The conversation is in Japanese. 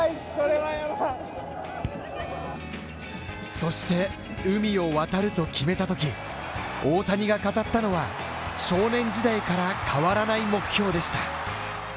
そして海を渡ると決めたとき、大谷が語ったのは少年時代から変わらない目標でした。